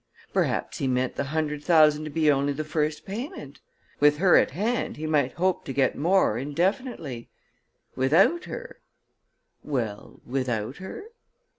"Perhaps he meant the hundred thousand to be only the first payment. With her at hand, he might hope to get more indefinitely. Without her " "Well, without her?"